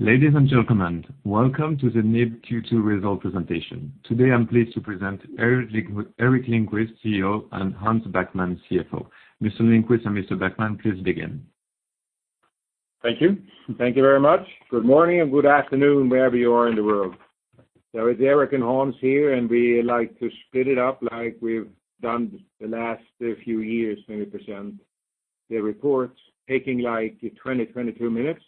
Ladies and gentlemen, welcome to the NIBE Q2 result presentation. Today I'm pleased to present Gerteric Lindquist, CEO, and Hans Backman, CFO. Mr. Lindquist and Mr. Backman, please begin. Thank you. Thank you very much. Good morning and good afternoon, wherever you are in the world. It's Gerteric and Hans here, and we like to split it up like we've done the last few years when we present the reports, taking 20-minutes,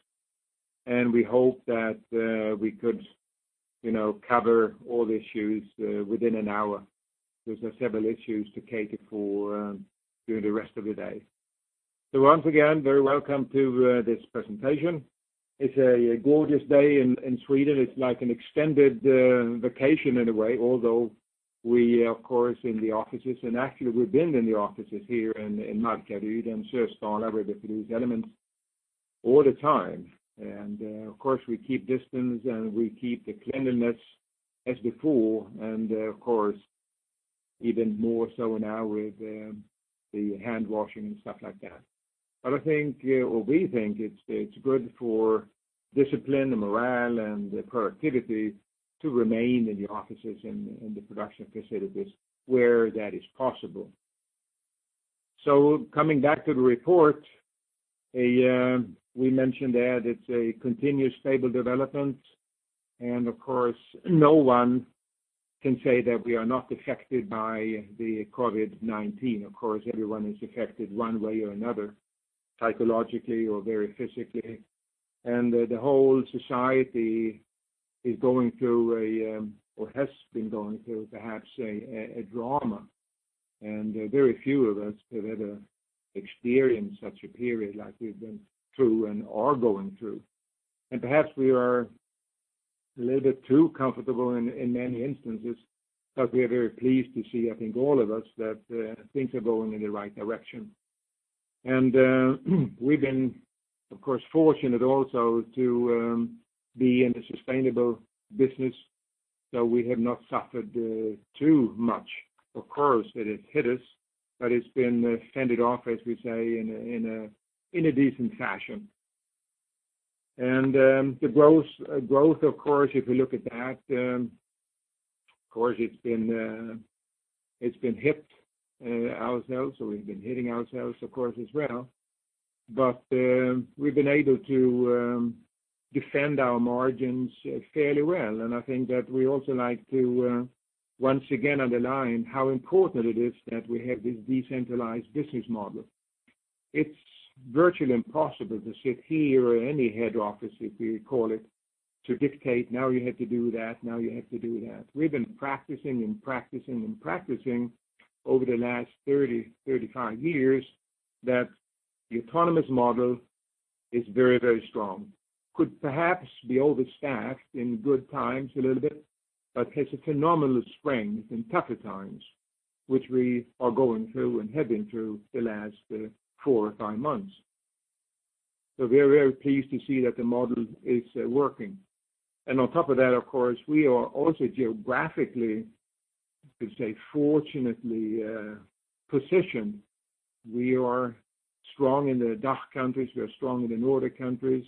22-minutes. We hope that we could cover all the issues within an hour, because there are several issues to cater for during the rest of the day. Once again, very welcome to this presentation. It's a gorgeous day in Sweden. It's like an extended vacation in a way, although we are, of course, in the offices. Actually, we've been in the offices here in Markaryd and Sösdala, where the NIBE Element all the time. Of course, we keep distance and we keep the cleanliness as before, and, of course, even more so now with the hand washing and stuff like that. I think, or we think it's good for discipline and morale and productivity to remain in the offices and the production facilities where that is possible. Coming back to the report, we mentioned that it's a continuous stable development. Of course, no one can say that we are not affected by the COVID-19. Of course, everyone is affected one way or another, psychologically or very physically. The whole society is going through or has been going through perhaps a drama. Very few of us have ever experienced such a period like we've been through and are going through. Perhaps we are a little bit too comfortable in many instances, but we are very pleased to see, I think all of us, that things are going in the right direction. We've been, of course, fortunate also to be in the sustainable business. We have not suffered too much. Of course, it has hit us, but it's been fended off, as we say, in a decent fashion. The growth, of course, if you look at that, of course it's been hit ourselves. We've been hitting ourselves, of course, as well. We've been able to defend our margins fairly well. I think that we also like to, once again, underline how important it is that we have this decentralized business model. It's virtually impossible to sit here or any head office, if we call it, to dictate, now you have to do that, now you have to do that. We've been practicing over the last 30, 35 years that the autonomous model is very, very strong. Could perhaps be overstaffed in good times a little bit, has a phenomenal strength in tougher times, which we are going through and have been through the last four or five months. We're very pleased to see that the model is working. On top of that, of course, we are also geographically, let's say, fortunately positioned. We are strong in the DACH countries. We are strong in the Nordic countries.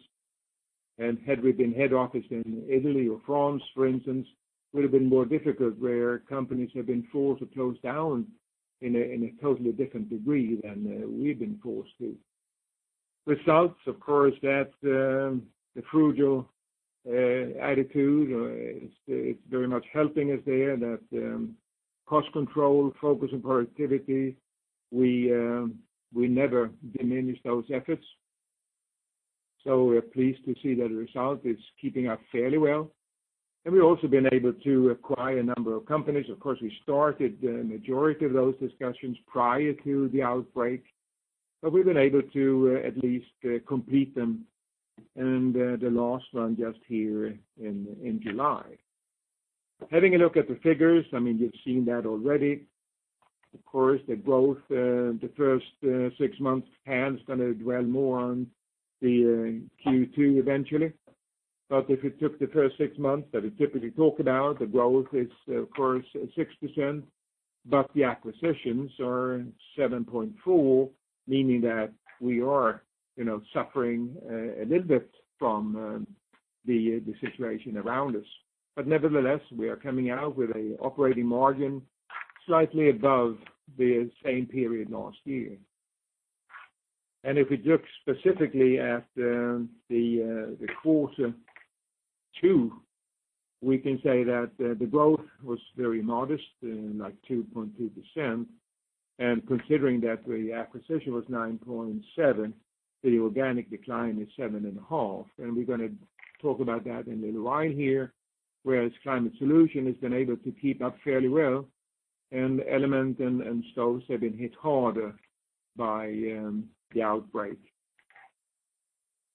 Had we been head office in Italy or France, for instance, would have been more difficult where companies have been forced to close down in a totally different degree than we've been forced to. Results, of course, that the frugal attitude, it's very much helping us there. That cost control, focus on productivity, we never diminish those efforts. We're pleased to see that the result is keeping up fairly well. We've also been able to acquire a number of companies. Of course, we started the majority of those discussions prior to the outbreak, but we've been able to at least complete them. The last one just here in July. Having a look at the figures, you've seen that already. Of course, the growth the first six months, Hans going to dwell more on the Q2 eventually. If you took the first six months that we typically talk about, the growth is of course 6%, but the acquisitions are 7.4%, meaning that we are suffering a little bit from the situation around us. Nevertheless, we are coming out with an operating margin slightly above the same period last year. If we look specifically at the quarter two, we can say that the growth was very modest, like 2.2%. Considering that the acquisition was 9.7, the organic decline is 7.5. We're going to talk about that in a little while here. Whereas Climate Solutions has been able to keep up fairly well, and Element and Stoves have been hit harder by the outbreak.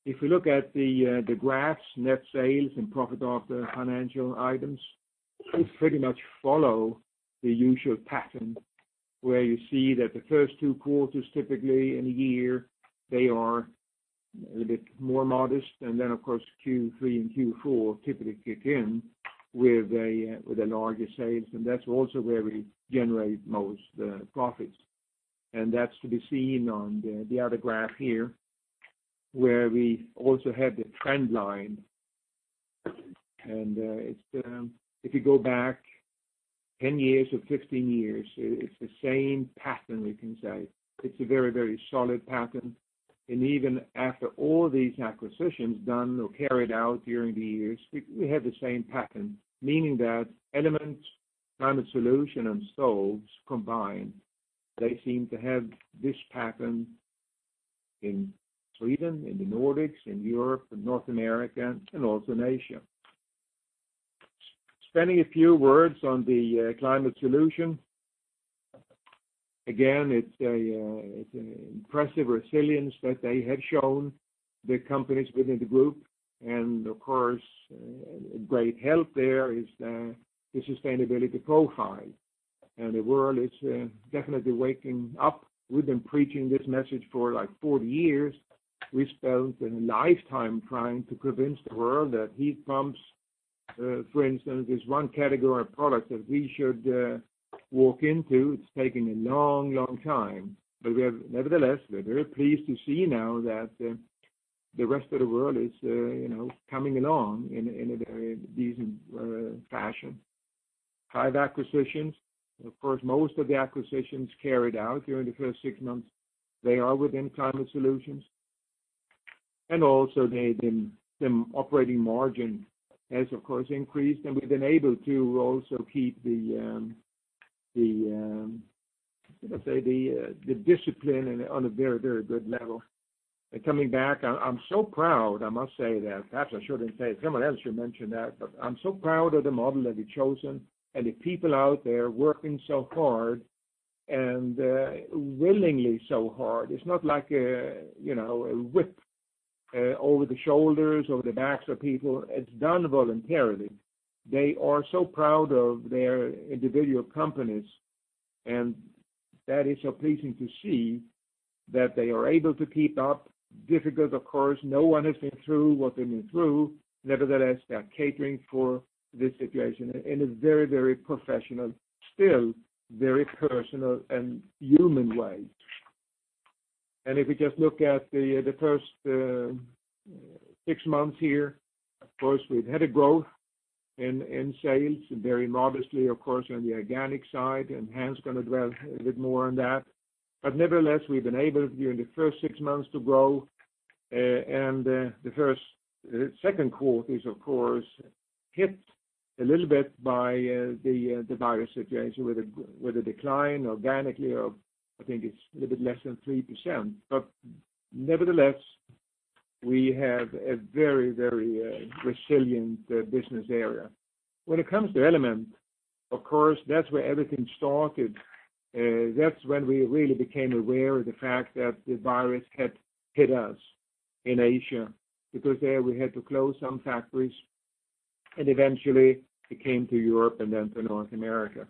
If we look at the graphs, net sales and profit after financial items, they pretty much follow the usual pattern where you see that the first two quarters typically in a year, they are a little bit more modest. Then, of course, Q3 and Q4 typically kick in with larger sales. That's also where we generate most profits. That's to be seen on the other graph here, where we also have the trend line. If you go back 10 years or 15 years, it's the same pattern, we can say. It's a very, very solid pattern. Even after all these acquisitions done or carried out during the years, we have the same pattern, meaning that Element, Climate Solutions, and Stoves combined, they seem to have this pattern in Sweden, in the Nordics, in Europe, and North America, and also in Asia. Spending a few words on the Climate Solutions. Again, it's an impressive resilience that they have shown, the companies within the group, and of course, great help there is the sustainability profile. The world is definitely waking up. We've been preaching this message for like 40 years. We spent a lifetime trying to convince the world that heat pumps, for instance, is one category of product that we should walk into. It's taken a long, long time. Nevertheless, we're very pleased to see now that the rest of the world is coming along in a very decent fashion. Five acquisitions. Of course, most of the acquisitions carried out during the first six months, they are within Climate Solutions. Also the operating margin has, of course, increased, and we've been able to also keep the discipline on a very, very good level. Coming back, I'm so proud, I must say that. Perhaps I shouldn't say it. Someone else should mention that, but I'm so proud of the model that we've chosen and the people out there working so hard, and willingly so hard. It's not like a whip over the shoulders, over the backs of people. It's done voluntarily. They are so proud of their individual companies, and that is so pleasing to see that they are able to keep up. Difficult, of course. No one has been through what they've been through. Nevertheless, they are catering for this situation in a very, very professional, still very personal and human way. If we just look at the first six months here, of course, we've had a growth in sales, very modestly, of course, on the organic side, Hans is going to dwell a bit more on that. Nevertheless, we've been able during the first six months to grow. The first, second quarter is, of course, hit a little bit by the virus situation with a decline organically of, I think it's a little bit less than 3%. Nevertheless, we have a very, very resilient business area. When it comes to Element, of course, that's where everything started. That's when we really became aware of the fact that the virus had hit us in Asia, because there we had to close some factories, and eventually it came to Europe and then to North America.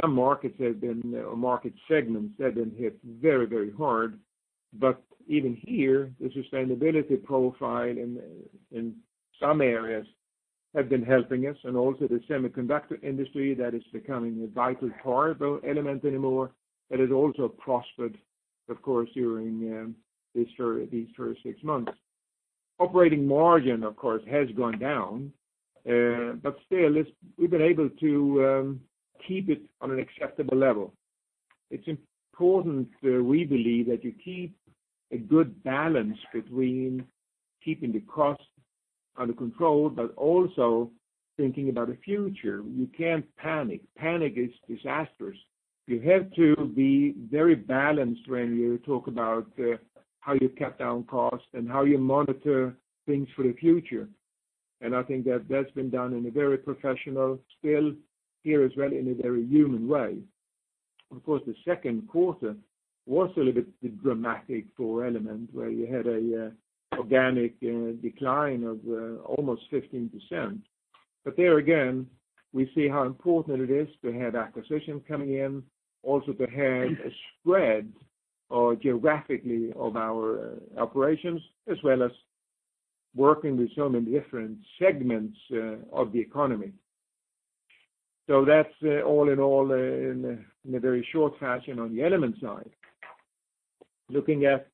Some markets have been, or market segments have been hit very, very hard. Even here, the sustainability profile in some areas have been helping us, and also the semiconductor industry that is becoming a vital part of Element anymore, that has also prospered, of course, during these first six months. Operating margin, of course, has gone down, but still, we've been able to keep it on an acceptable level. It's important, we believe, that you keep a good balance between keeping the cost under control, but also thinking about the future. You can't panic. Panic is disastrous. You have to be very balanced when you talk about how you cut down cost and how you monitor things for the future. I think that that's been done in a very professional, still here as well, in a very human way. Of course, the second quarter was a little bit dramatic for Element, where you had an organic decline of almost 15%. There again, we see how important it is to have acquisitions coming in, also to have a spread geographically of our operations, as well as working with so many different segments of the economy. That's all in all in a very short fashion on the Element side. Looking at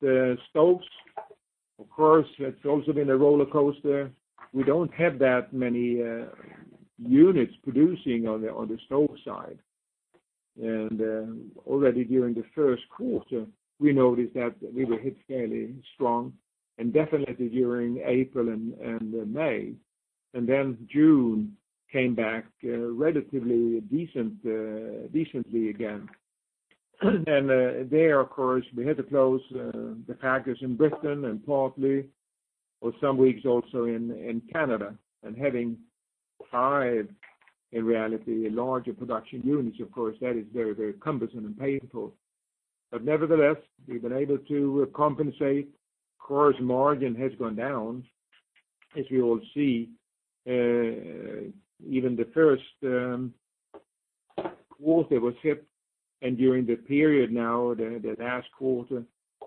Stoves, of course, that's also been a roller coaster. We don't have that many units producing on the Stoves side. Already during the first quarter, we noticed that we were hit fairly strong, and definitely during April and May. June came back relatively decently again. There, of course, we had to close the factories in Britain and Portlaoise for some weeks also in Canada. Having five, in reality, larger production units, of course, that is very, very cumbersome and painful. Nevertheless, we've been able to compensate. Margin has gone down, as you will see. Even the first quarter was hit, and during the period now, the last quarter,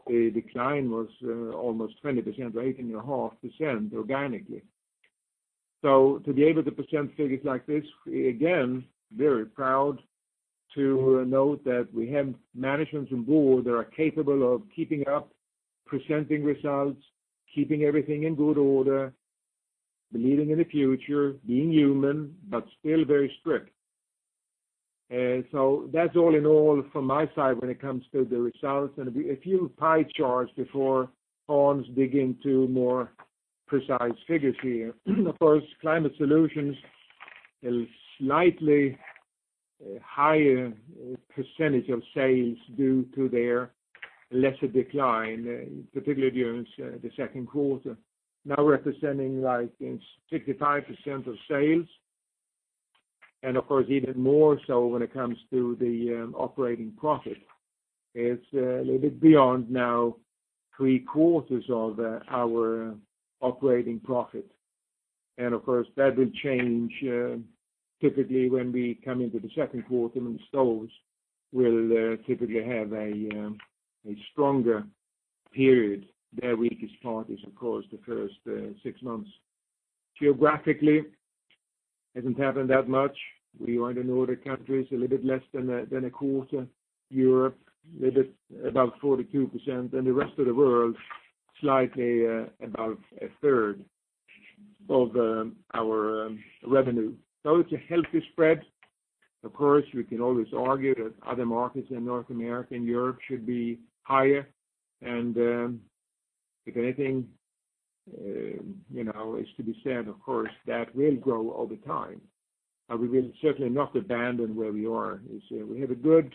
the decline was almost 20%, or 18.5% organically. To be able to present figures like this, again, very proud to note that we have management and board that are capable of keeping up, presenting results, keeping everything in good order, believing in the future, being human, but still very strict. That's all in all from my side when it comes to the results. A few pie charts before Hans dig into more precise figures here. Of course, Climate Solutions is slightly higher percentage of sales due to their lesser decline, particularly during the second quarter. Now representing, I think, 65% of sales, and of course, even more so when it comes to the operating profit. It's a little bit beyond now three quarters of our operating profit. Of course, that will change typically when we come into the second quarter when Stoves will typically have a stronger period. Their weakest part is, of course, the first six months. Geographically, hasn't happened that much. We are in other countries, a little bit less than a quarter. Europe, a bit above 42%, and the rest of the world, slightly about a third of our revenue. It's a healthy spread. Of course, we can always argue that other markets in North America and Europe should be higher. If anything is to be said, of course, that will grow over time. We will certainly not abandon where we are. We have a good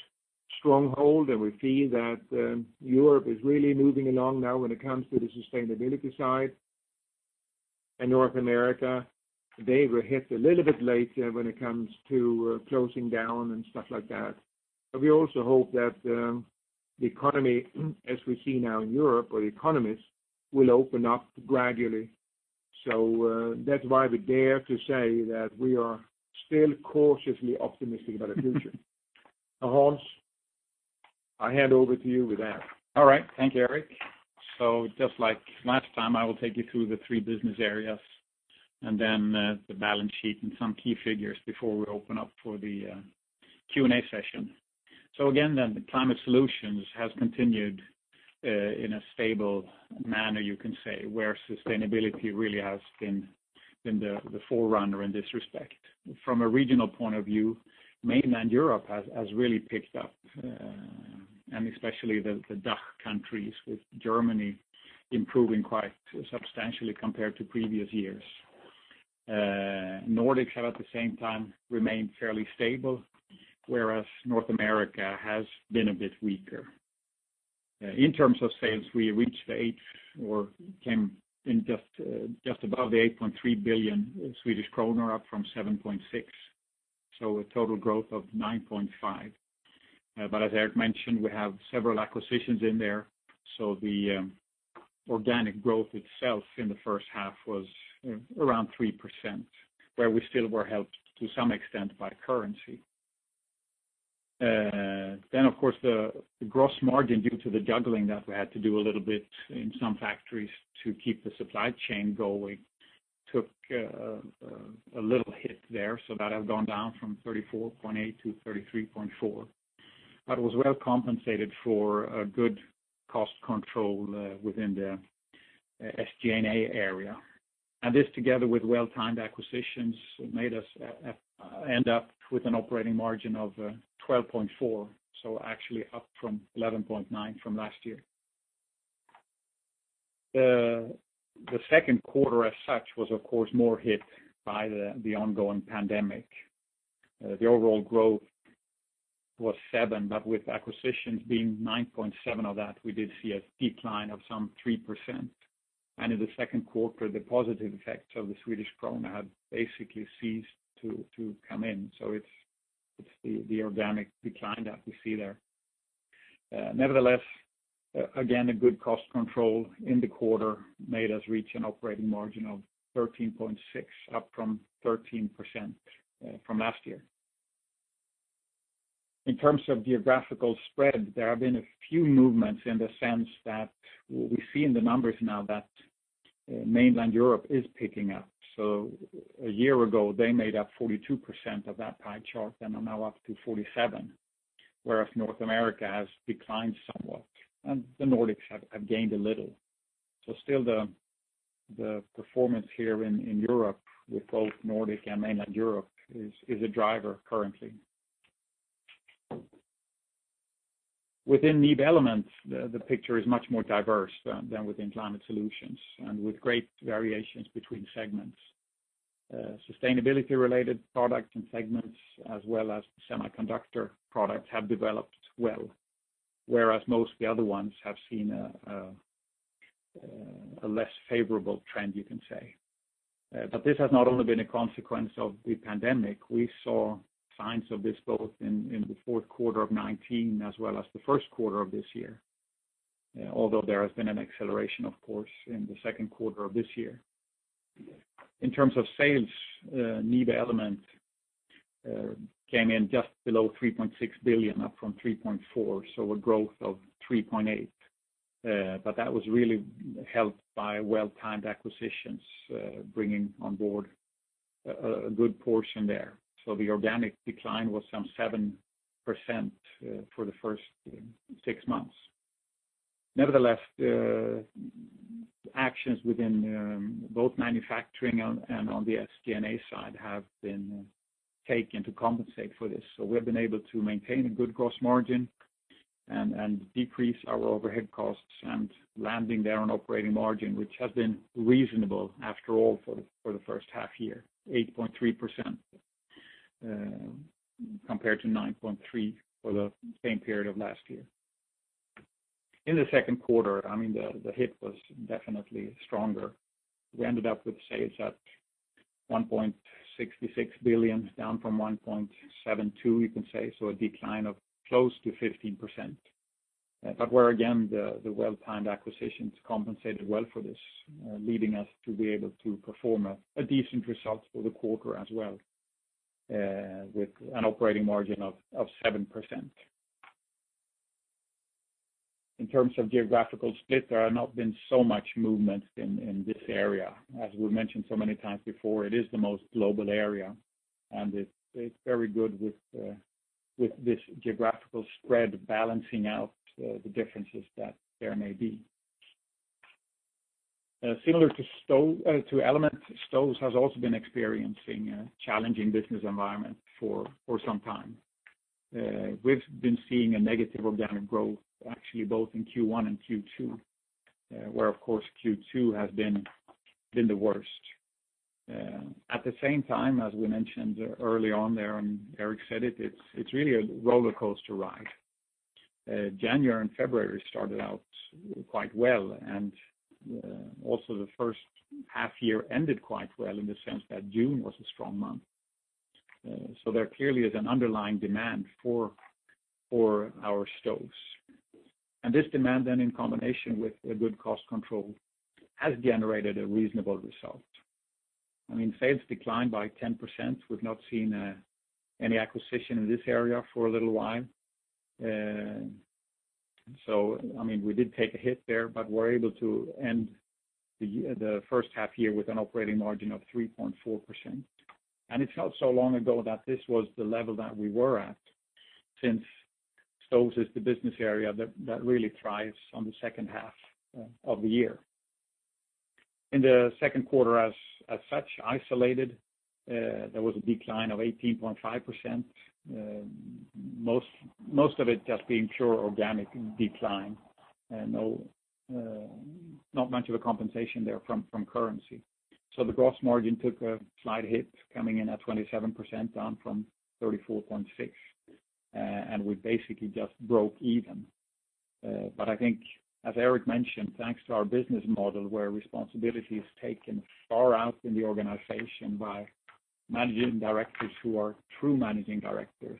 stronghold, and we feel that Europe is really moving along now when it comes to the sustainability side. North America, they were hit a little bit later when it comes to closing down and stuff like that. We also hope that the economy, as we see now in Europe, or the economies, will open up gradually. That's why we dare to say that we are still cautiously optimistic about the future. Hans, I hand over to you with that. All right. Thank you, Gerteric. Just like last time, I will take you through the three business areas and then the balance sheet and some key figures before we open up for the Q&A session. Again, Climate Solutions has continued in a stable manner, you can say, where sustainability really has been the forerunner in this respect. From a regional point of view, mainland Europe has really picked up, and especially the DACH countries, with Germany improving quite substantially compared to previous years. Nordics have, at the same time, remained fairly stable, whereas North America has been a bit weaker. In terms of sales, we reached 8.3 billion Swedish kronor, up from 7.6 billion. A total growth of 9.5%. As Gerteric mentioned, we have several acquisitions in there, so the organic growth itself in the first half was around 3%, where we still were helped to some extent by currency. Of course, the gross margin, due to the juggling that we had to do a little bit in some factories to keep the supply chain going, took a little hit there. That has gone down from 34.8%-33.4%. Was well compensated for a good cost control within the SG&A area. This, together with well-timed acquisitions, made us end up with an operating margin of 12.4%, actually up from 11.9% from last year. The second quarter as such was, of course, more hit by the ongoing pandemic. The overall growth was 7%, but with acquisitions being 9.7% of that, we did see a decline of some 3%. In the second quarter, the positive effects of the Swedish krona had basically ceased to come in. It's the organic decline that we see there. Nevertheless, again, a good cost control in the quarter made us reach an operating margin of 13.6%, up from 13% from last year. In terms of geographical spread, there have been a few movements in the sense that we see in the numbers now that mainland Europe is picking up. A year ago, they made up 42% of that pie chart and are now up to 47%, whereas North America has declined somewhat. The Nordics have gained a little. Still the performance here in Europe with both Nordic and mainland Europe is a driver currently. Within NIBE Element, the picture is much more diverse than within Climate Solutions and with great variations between segments. Sustainability related products and segments, as well as semiconductor products, have developed well, whereas most of the other ones have seen a less favorable trend, you can say. This has not only been a consequence of the pandemic. We saw signs of this both in the fourth quarter of 2019 as well as the first quarter of this year. There has been an acceleration, of course, in the second quarter of this year. In terms of sales, NIBE Element came in just below 3.6 billion, up from 3.4 billion, so a growth of 3.8%. That was really helped by well-timed acquisitions bringing on board a good portion there. The organic decline was some 7% for the first six months. Nevertheless, actions within both manufacturing and on the SG&A side have been taken to compensate for this. We have been able to maintain a good gross margin and decrease our overhead costs, and landing there on operating margin, which has been reasonable after all for the first half year, 8.3% compared to 9.3% for the same period of last year. In the second quarter, the hit was definitely stronger. We ended up with sales at 1.66 billion, down from 1.72 billion, a decline of close to 15%. Where, again, the well-timed acquisitions compensated well for this, leading us to be able to perform a decent result for the quarter as well, with an operating margin of 7%. In terms of geographical split, there have not been so much movement in this area. As we mentioned so many times before, it is the most global area, and it's very good with this geographical spread balancing out the differences that there may be. Similar to Elements, Stoves has also been experiencing a challenging business environment for some time. We've been seeing a negative organic growth actually both in Q1 and Q2, where, of course, Q2 has been the worst. At the same time, as we mentioned early on there, Gerteric said it's really a rollercoaster ride. January and February started out quite well, also the first half year ended quite well in the sense that June was a strong month. There clearly is an underlying demand for our stoves. This demand then, in combination with a good cost control, has generated a reasonable result. Sales declined by 10%. We've not seen any acquisition in this area for a little while. We did take a hit there, but we're able to end the first half year with an operating margin of 3.4%. It's not so long ago that this was the level that we were at, since Stoves is the business area that really thrives on the second half of the year. In the second quarter as such, isolated, there was a decline of 18.5%, most of it just being pure organic decline and not much of a compensation there from currency. The gross margin took a slight hit, coming in at 27%, down from 34.6%. We basically just broke even. I think as Gerteric mentioned, thanks to our business model, where responsibility is taken far out in the organization by managing directors who are true managing directors,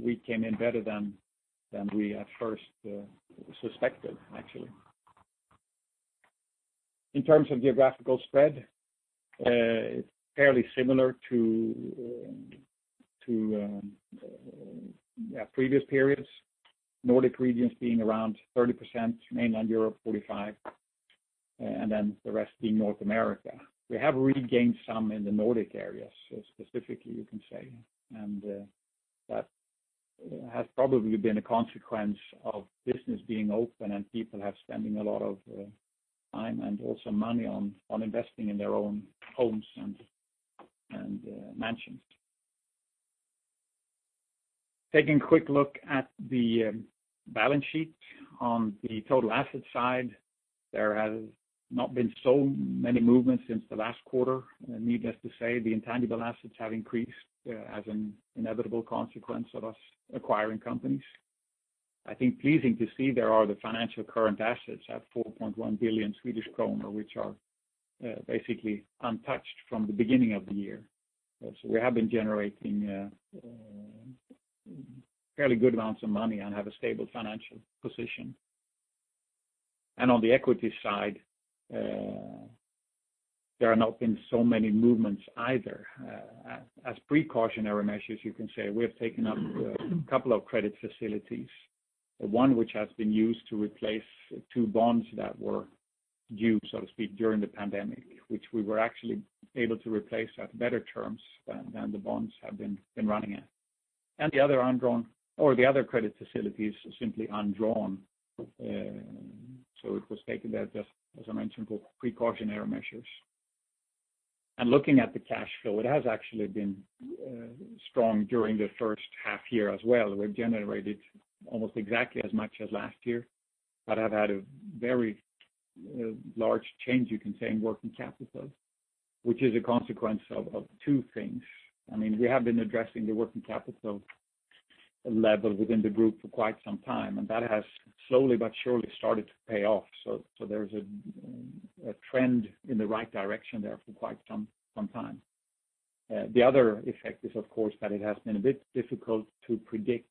we came in better than we at first suspected, actually. In terms of geographical spread, it's fairly similar to previous periods, Nordic regions being around 30%, mainland Europe 45%, and then the rest being North America. We have regained some in the Nordic areas, specifically you can say, that has probably been a consequence of business being open and people have spending a lot of time and also money on investing in their own homes and mansions. Taking a quick look at the balance sheet on the total assets side, there has not been so many movements since the last quarter. Needless to say, the intangible assets have increased as an inevitable consequence of us acquiring companies. I think pleasing to see there are the financial current assets at 4.1 billion Swedish kronor, which are basically untouched from the beginning of the year. We have been generating fairly good amounts of money and have a stable financial position. On the equity side, there have not been so many movements either. As precautionary measures, you can say, we have taken up a couple of credit facilities. One which has been used to replace two bonds that were due, so to speak, during the pandemic, which we were actually able to replace at better terms than the bonds have been running at. The other credit facilities are simply undrawn, so it was taken there just as I mentioned, for precautionary measures. Looking at the cash flow, it has actually been strong during the first half year as well. We've generated almost exactly as much as last year, but have had a very large change, you can say, in working capital, which is a consequence of two things. We have been addressing the working capital level within the group for quite some time, and that has slowly but surely started to pay off. There's a trend in the right direction there for quite some time. The other effect is, of course, that it has been a bit difficult to predict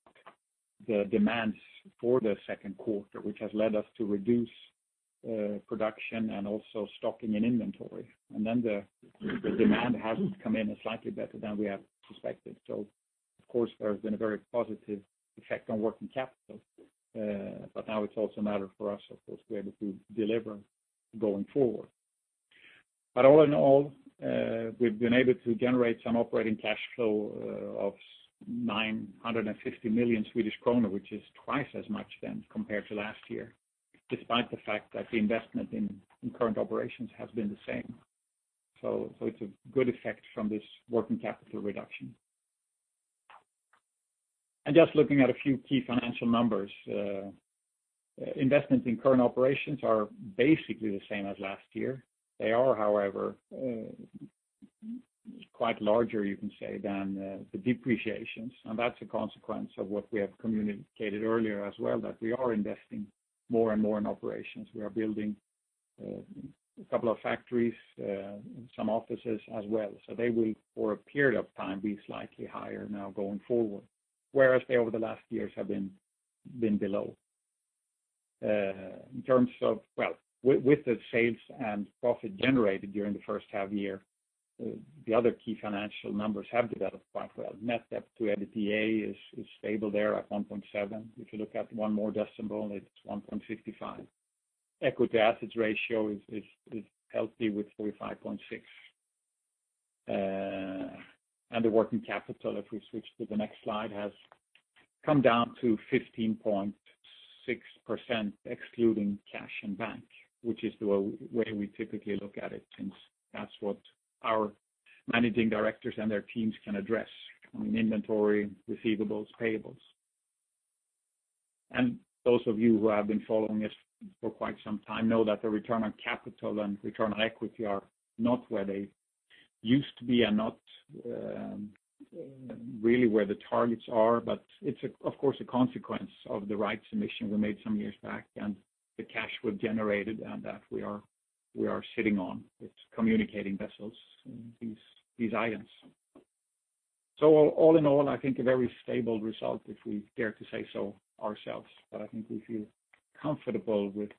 the demands for the second quarter, which has led us to reduce production and also stocking and inventory. The demand hasn't come in as slightly better than we have suspected. Of course, there's been a very positive effect on working capital. Now it's also a matter for us, of course, to be able to deliver going forward. All in all, we've been able to generate some operating cash flow of 950 million Swedish kronor, which is twice as much compared to last year, despite the fact that the investment in current operations has been the same. It's a good effect from this working capital reduction. Just looking at a few key financial numbers. Investments in current operations are basically the same as last year. They are, however, quite larger, you can say, than the depreciations. That's a consequence of what we have communicated earlier as well, that we are investing more and more in operations. We are building a couple of factories, some offices as well. They will, for a period of time, be slightly higher now going forward. Whereas they, over the last years, have been below. With the sales and profit generated during the first half year, the other key financial numbers have developed quite well. Net debt to EBITDA is stable there at 1.7. If you look at one more decimal, it's 1.55. Equity assets ratio is healthy with 45.6. The working capital, if we switch to the next slide, has come down to 15.6%, excluding cash in bank, which is the way we typically look at it, since that's what our managing directors and their teams can address. I mean, inventory, receivables, payables. Those of you who have been following us for quite some time know that the return on capital and return on equity are not where they used to be and not really where the targets are. It's, of course, a consequence of the rights emission we made some years back and the cash we've generated and that we are sitting on. It's communicating vessels and these items. All in all, I think a very stable result, if we dare to say so ourselves. I think we feel comfortable with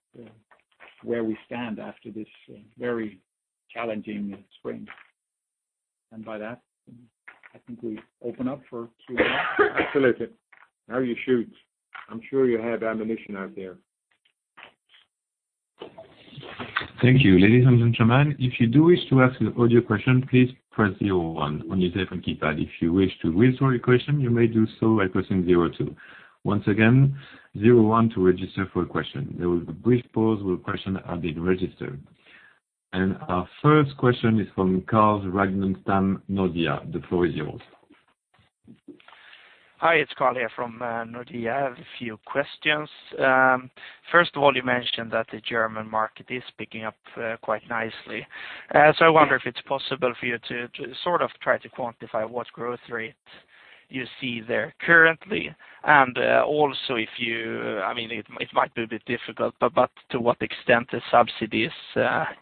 where we stand after this very challenging spring. By that, I think we open up for Q&A. Absolutely. Now you shoot. I am sure you have ammunition out there. Thank you. Ladies and gentlemen, if you do wish to ask an audio question, please press zero one on your telephone keypad. If you wish to withdraw your question, you may do so by pressing zero two. Once again, zero one to register for a question. There will be a brief pause while questions are being registered. And our first question is from Carl Ragnerstam, Nordea. The floor is yours. Hi, it's Carl here from Nordea. I have a few questions. First of all, you mentioned that the German market is picking up quite nicely. I wonder if it's possible for you to try to quantify what growth rate you see there currently. Also, it might be a bit difficult, but to what extent the subsidies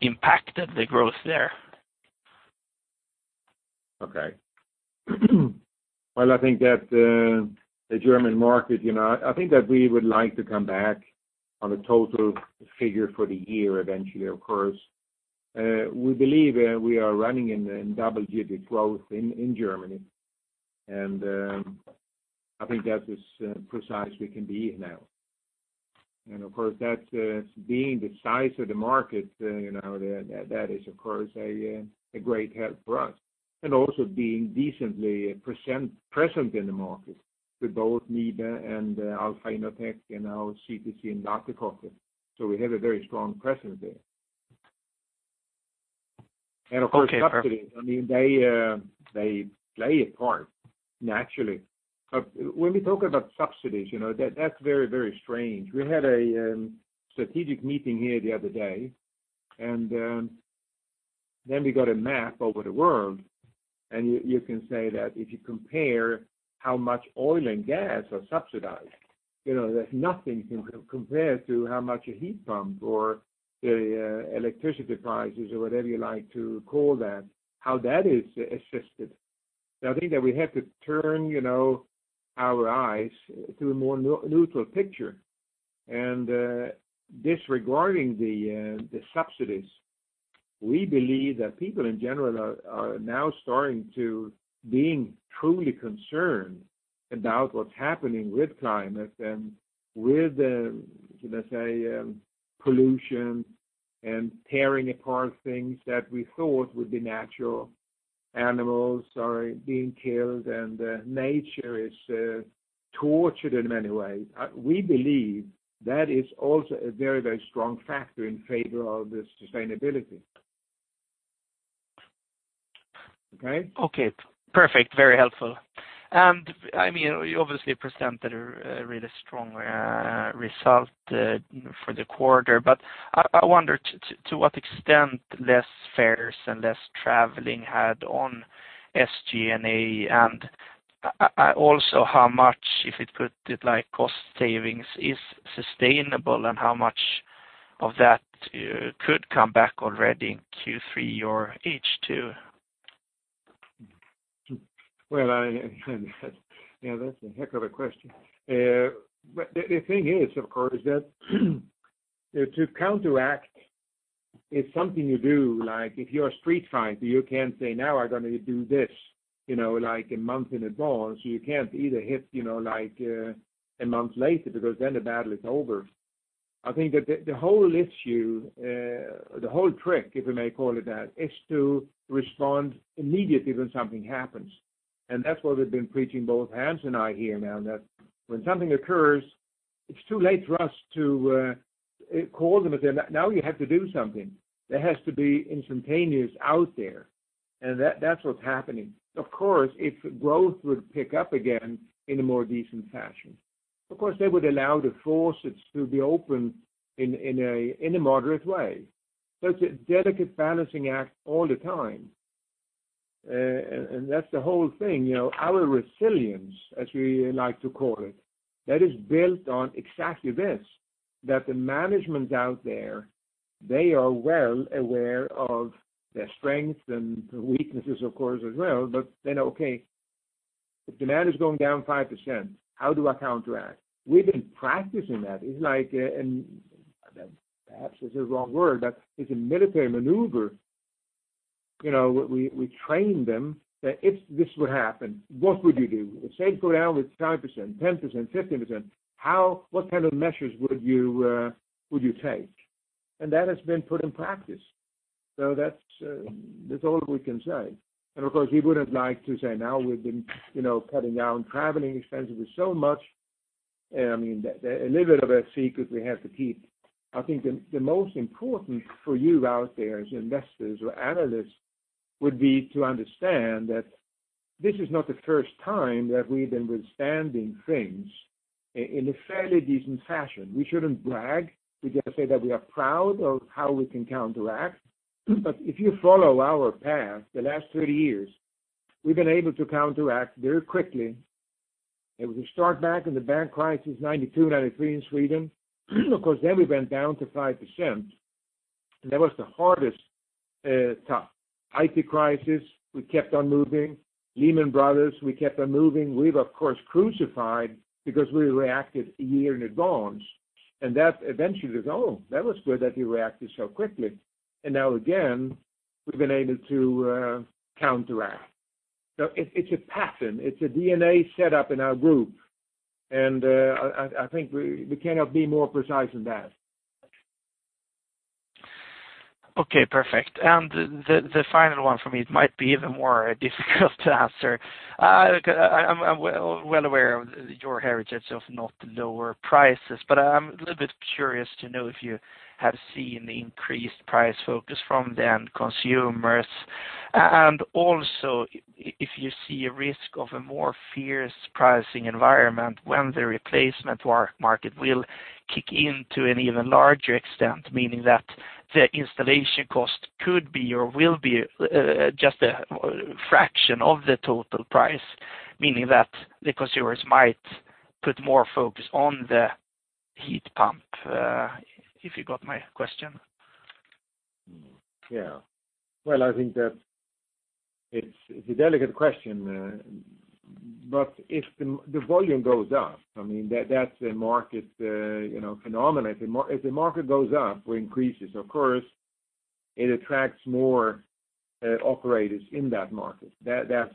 impacted the growth there? Okay. Well, I think that the German market, I think that we would like to come back on a total figure for the year eventually, of course. We believe we are running in double-digit growth in Germany. I think that is precise we can be now. Of course, that being the size of the market, that is of course a great help for us. Also being decently present in the market with both NIBE and alpha innotec and now CTC and WATERKOTTE. We have a very strong presence there. Okay, perfect. Of course, subsidies, they play a part naturally. When we talk about subsidies, that's very, very strange. We had a strategic meeting here the other day, we got a map over the world, you can say that if you compare how much oil and gas are subsidized, that nothing can compare to how much a heat pump or the electricity prices or whatever you like to call them, how that is assisted. I think that we have to turn our eyes to a more neutral picture. Disregarding the subsidies, we believe that people, in general, are now starting to being truly concerned about what's happening with climate and with, let's say, pollution and tearing apart things that we thought would be natural. Animals are being killed, and nature is tortured in many ways. We believe that is also a very, very strong factor in favor of the sustainability. Okay? Okay, perfect. Very helpful. You obviously presented a really strong result for the quarter, but I wonder to what extent less fairs and less traveling had on SG&A and also how much, if it put it like cost savings, is sustainable and how much of that could come back already in Q3 or H2? Well, that's a heck of a question. The thing is, of course, that to counteract is something you do. If you're a street fighter, you can't say, now I'm going to do this, a month in advance. You can't either hit a month later because then the battle is over. I think that the whole issue, the whole trick, if we may call it that, is to respond immediately when something happens. That's what we've been preaching, both Hans and I here now, that when something occurs, it's too late for us to call them and say, now you have to do something. That has to be instantaneous out there. That's what's happening. Of course, if growth would pick up again in a more decent fashion, of course, they would allow the faucets to be open in a moderate way. It's a delicate balancing act all the time. That's the whole thing. Our resilience, as we like to call it, that is built on exactly this, that the management out there, they are well aware of their strengths and weaknesses, of course, as well. They know, okay, if demand is going down 5%, how do I counteract? We've been practicing that. It's like, perhaps this is the wrong word, but it's a military maneuver. We train them that if this would happen, what would you do? The same goes down with 5%, 10%, 15%. What kind of measures would you take? That has been put in practice. That's all we can say. Of course, we would have liked to say, now we've been cutting down traveling expenses with so much. A little bit of a secret we have to keep. I think the most important for you out there as investors or analysts would be to understand that this is not the first time that we've been withstanding things in a fairly decent fashion. We shouldn't brag. We just say that we are proud of how we can counteract. If you follow our path, the last 30 years, we've been able to counteract very quickly. If we start back in the bank crisis, 1992, 1993 in Sweden, of course, then we went down to 5%, and that was the hardest time. IT crisis, we kept on moving. Lehman Brothers, we kept on moving. We were, of course, crucified because we reacted a year in advance. That eventually was, that was good that we reacted so quickly. Now again, we've been able to counteract. It's a pattern. It's a DNA set up in our group. I think we cannot be more precise than that. Okay, perfect. The final one from me, it might be even more difficult to answer. I'm well aware of your heritage of not lower prices, but I'm a little bit curious to know if you have seen the increased price focus from the end consumers. Also, if you see a risk of a more fierce pricing environment when the replacement market will kick in to an even larger extent, meaning that the installation cost could be or will be just a fraction of the total price, meaning that the consumers might put more focus on the heat pump. If you got my question? Well, I think that it's a delicate question. If the volume goes up, that's a market phenomenon. If the market goes up or increases, of course, it attracts more operators in that market. That's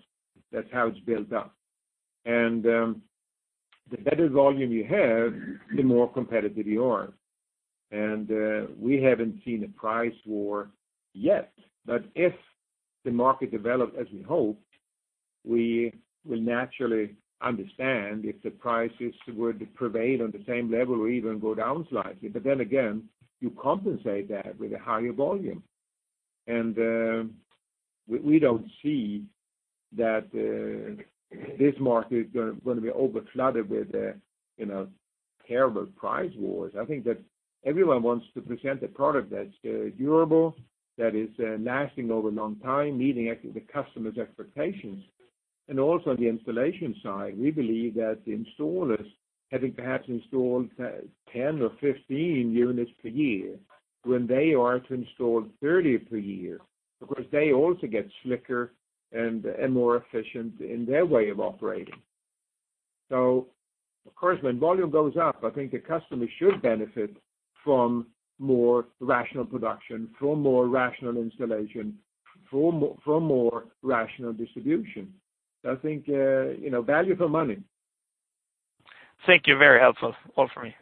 how it's built up. The better volume you have, the more competitive you are. We haven't seen a price war yet. If the market develops as we hope, we will naturally understand if the prices were to prevail on the same level or even go down slightly. Again, you compensate that with a higher volume. We don't see that this market is going to be over-cluttered with terrible price wars. I think that everyone wants to present a product that's durable, that is lasting over a long time, meeting the customer's expectations. Also the installation side, we believe that the installers, having perhaps installed 10 or 15 units per year, when they are to install 30 per year, of course, they also get slicker and more efficient in their way of operating. Of course, when volume goes up, I think the customer should benefit from more rational production, from more rational installation, from more rational distribution. I think value for money. Thank you. Very helpful. All from me.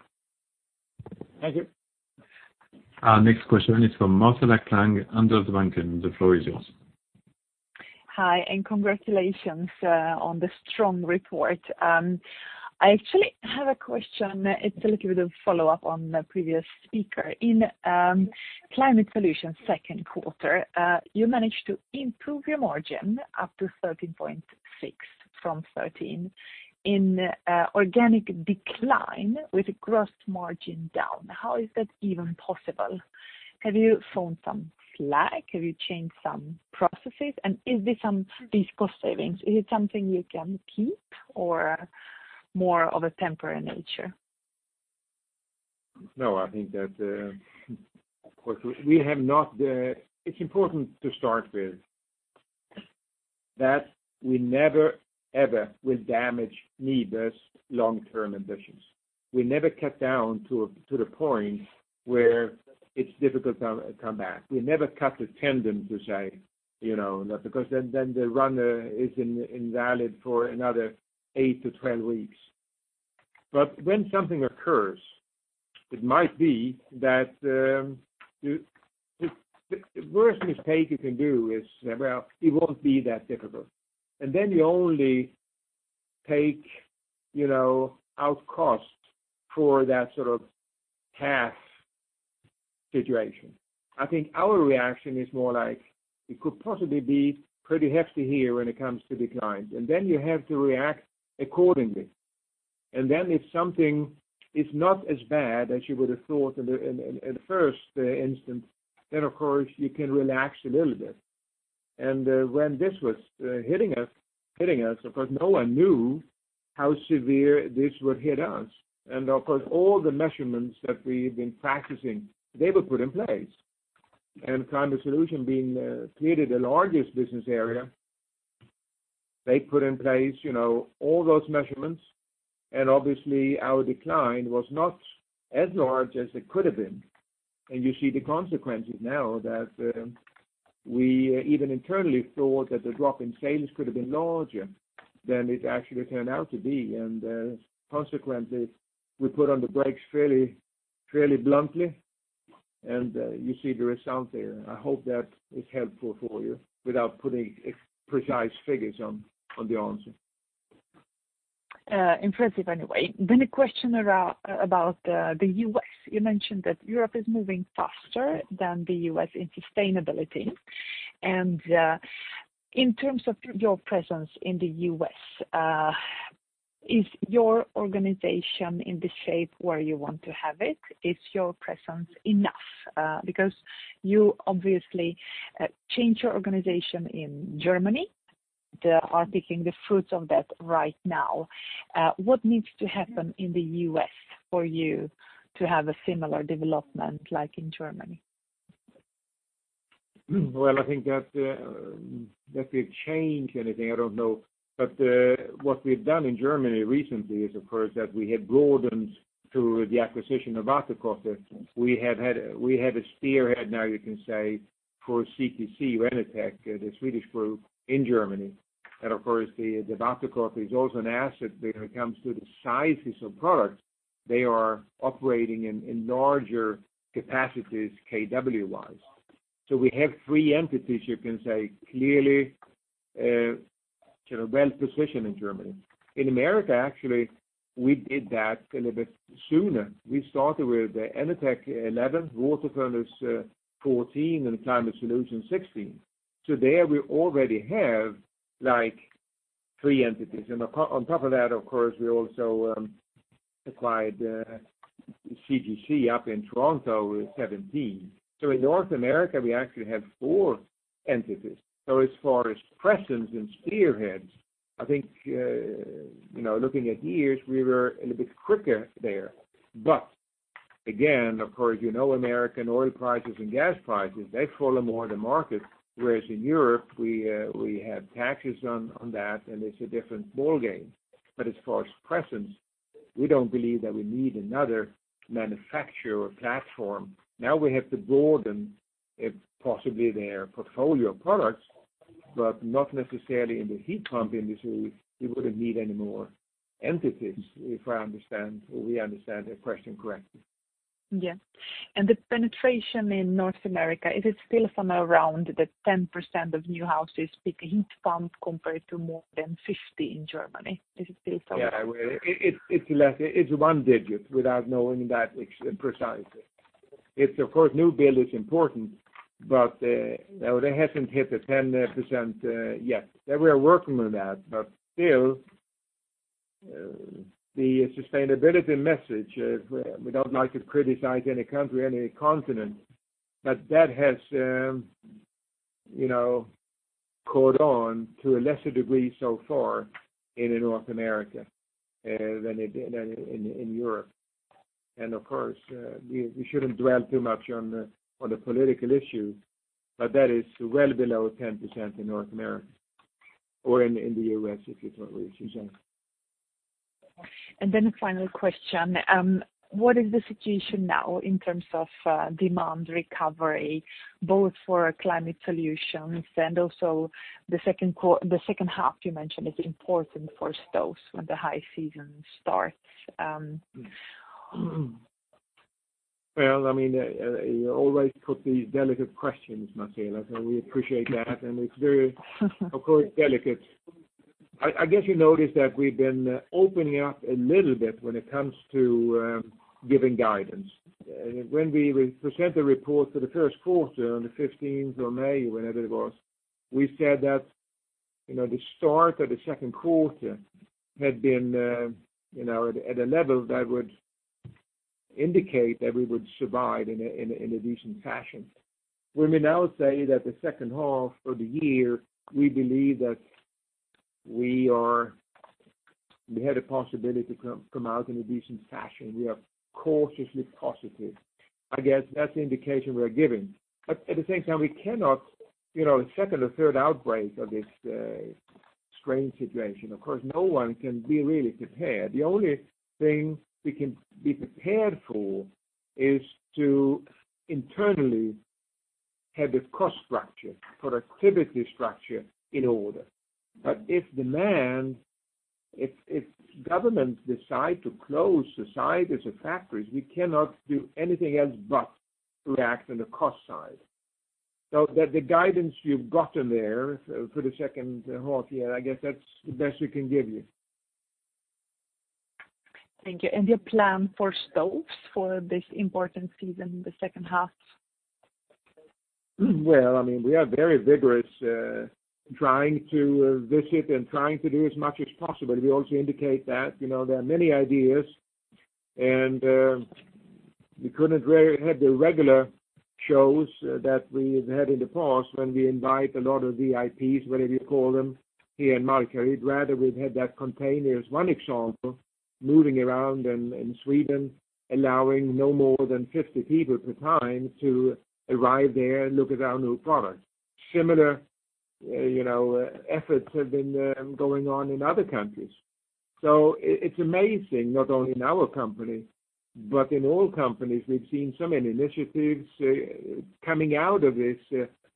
Thank you. Our next question is from Marcela Klang, Handelsbanken. The floor is yours. Hi, congratulations on the strong report. I actually have a question. It's a little bit of follow-up on the previous speaker. In NIBE Climate Solutions' second quarter, you managed to improve your margin up to 13.6 from 13 in organic decline with a gross margin down. How is that even possible? Have you found some slack? Have you changed some processes? Is this some cost savings? Is it something you can keep or more of a temporary nature? No, I think that, of course, it's important to start with, that we never, ever will damage NIBE's long-term ambitions. We never cut down to the point where it's difficult to come back. We never cut the tendon, because then the runner is invalid for another 8-12 weeks. When something occurs, it might be that the worst mistake you can do is say, well, it won't be that difficult. Then you only take out costs for that sort of half situation. I think our reaction is more like, it could possibly be pretty hefty here when it comes to declines, and then you have to react accordingly. Then if something is not as bad as you would've thought in the first instance, then, of course, you can relax a little bit. When this was hitting us, of course, no one knew how severe this would hit us. Of course, all the measurements that we've been practicing, they were put in place. Climate Solution being clearly the largest business area, they put in place all those measurements, and obviously, our decline was not as large as it could have been. You see the consequences now that we even internally thought that the drop in sales could have been larger than it actually turned out to be. Consequently, we put on the brakes fairly bluntly, and you see the result there. I hope that is helpful for you without putting precise figures on the answer. Impressive, anyway. A question about the U.S. You mentioned that Europe is moving faster than the U.S. in sustainability. In terms of your presence in the U.S., is your organization in the shape where you want to have it? Is your presence enough? You obviously changed your organization in Germany, are picking the fruits of that right now. What needs to happen in the U.S. for you to have a similar development like in Germany? Well, I think that if we've changed anything, I don't know. What we've done in Germany recently is, of course, that we have broadened through the acquisition of WATERKOTTE. We have a spearhead now, you can say, for CTC Enertech, the Swedish group in Germany. Of course, the WATERKOTTE is also an asset when it comes to the sizes of products. They are operating in larger capacities KW-wise. We have three entities, you can say, clearly well-positioned in Germany. In America, actually, we did that a little bit sooner. We started with the Enertech 2011, WaterFurnace 2014, and ClimateMaster 2016. There, we already have three entities. On top of that, of course, we also acquired CGC up in Toronto in 2017. In North America, we actually have four entities. As far as presence and spearheads, I think, looking at years, we were a little bit quicker there. Again, of course, you know American oil prices and gas prices. They follow more the market, whereas in Europe, we have taxes on that, and it's a different ballgame. As far as presence, we don't believe that we need another manufacturer or platform. Now we have to broaden, if possibly, their portfolio of products, but not necessarily in the heat pump industry. We wouldn't need any more entities, if we understand the question correctly. Yes. The penetration in North America, is it still somewhere around the 10% of new houses with heat pumps compared to more than 50% in Germany? Yeah. It's one digit without knowing that precisely. Of course, new build is important, but they haven't hit the 10% yet. We are working on that, but still, the sustainability message, we don't like to criticize any country, any continent, but that has caught on to a lesser degree so far in North America than in Europe. Of course, we shouldn't dwell too much on the political issues, but that is well below 10% in North America or in the U.S., if you prefer. Then a final question. What is the situation now in terms of demand recovery, both for Climate Solutions and also the second half you mentioned is important for Stoves when the high season starts? Well, you always put these delicate questions, Marcela. We appreciate that. It's very, of course, delicate. I guess you noticed that we've been opening up a little bit when it comes to giving guidance. When we present the report for the first quarter on May 15th, whenever it was, we said that the start of the second quarter had been at a level that would indicate that we would survive in a decent fashion. We may now say that the second half for the year, we believe that we had a possibility to come out in a decent fashion. We are cautiously positive. I guess that's the indication we are giving. At the same time, we cannot accept a third outbreak of this strange situation. Of course, no one can be really prepared. The only thing we can be prepared for is to internally have the cost structure, productivity structure in order. If governments decide to close societies or factories, we cannot do anything else but react on the cost side. The guidance you've gotten there for the second half year, I guess that's the best we can give you. Thank you. Your plan for Stoves for this important season, the second half? Well, we are very vigorous, trying to visit and trying to do as much as possible. We also indicate that. There are many ideas, and we couldn't have the regular shows that we've had in the past when we invite a lot of VIPs, whatever you call them, here in Markaryd. Rather, we've had that container, as one example, moving around in Sweden, allowing no more than 50 people at a time to arrive there and look at our new product. Similar efforts have been going on in other countries. It's amazing, not only in our company, but in all companies, we've seen so many initiatives coming out of this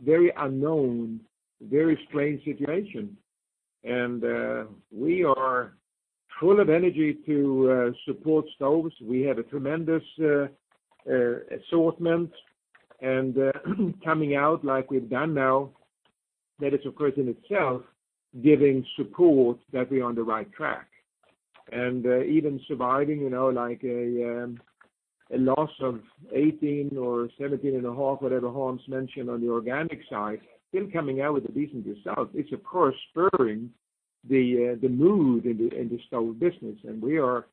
very unknown, very strange situation. We are full of energy to support Stoves. We have a tremendous assortment, coming out like we've done now, that is of course in itself giving support that we're on the right track. Even surviving, like a loss of 18 or 17.5, whatever Hans mentioned on the organic side, still coming out with a decent result. It's of course spurring the mood in the Stoves business, and we are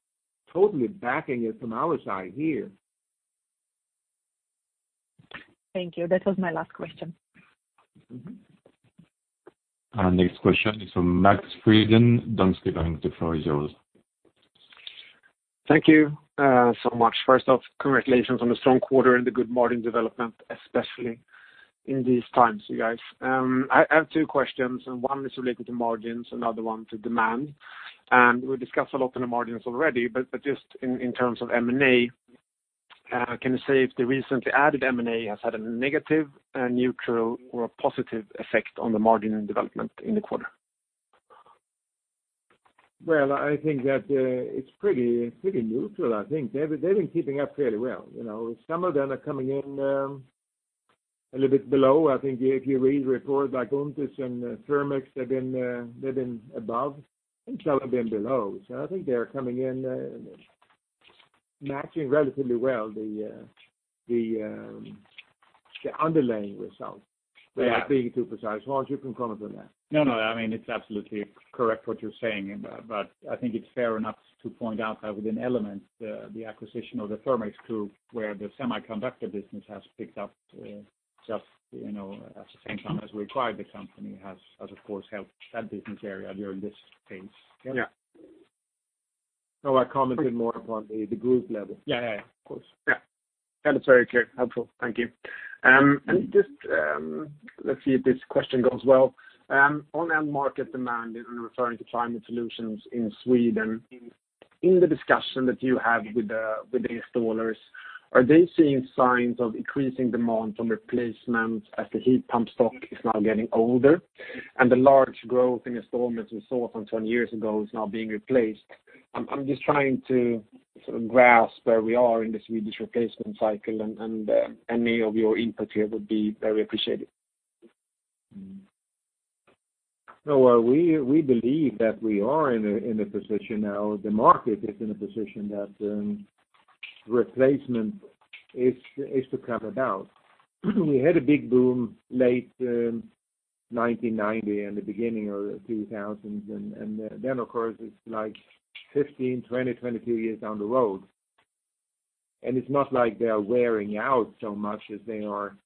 totally backing it from our side here. Thank you. That was my last question. Our next question is from Max Frydén, Danske Bank. The floor is yours. Thank you so much. First off, congratulations on the strong quarter and the good margin development, especially in these times, you guys. I have two questions, and one is related to margins, another one to demand. We discussed a lot on the margins already, but just in terms of M&A, can you say if the recently added M&A has had a negative, neutral or a positive effect on the margin development in the quarter? Well, I think that it's pretty neutral. I think they've been keeping up fairly well. Some of them are coming in a little bit below. I think if you read reports like ÜNTES and Therm-X, they've been above and some have been below. I think they're coming in, matching relatively well the underlying results. Without being too precise. Hans, you can comment on that. No, it's absolutely correct what you're saying, but I think it's fair enough to point out that within Element, the acquisition of the Therm-X group, where the semiconductor business has picked up just at the same time as we acquired the company, has of course helped that business area during this phase. Yeah. No, I commented more upon the group level. Yeah. Of course. Yeah. That is very clear. Helpful. Thank you. Just, let's see if this question goes well. On end market demand, and I'm referring to Climate Solutions in Sweden, in the discussion that you have with the installers, are they seeing signs of increasing demand on replacements as the heat pump stock is now getting older, and the large growth in installments we saw some 20 years ago is now being replaced? I'm just trying to grasp where we are in the Swedish replacement cycle, and any of your input here would be very appreciated. We believe that we are in a position now, the market is in a position that replacement is to come about. We had a big boom late 1990 and the beginning of the 2000s, then, of course, it's 15, 20, 22 years down the road. It's not like they are wearing out so much as they are